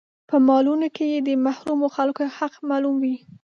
په مالونو کې يې د محرومو خلکو حق معلوم وي.